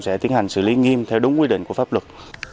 sẽ tiến hành xử lý nghiêm theo đúng quy định của pháp luật